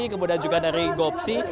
kemudian juga dari gopsi